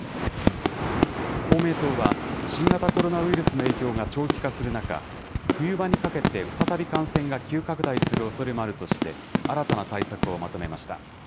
公明党は新型コロナウイルスの影響が長期化する中、冬場にかけて、再び感染が急拡大するおそれもあるとして、新たな対策をまとめました。